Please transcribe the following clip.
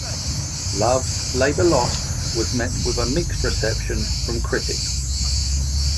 "Love's Labour's Lost" was met with a mixed reception from critics.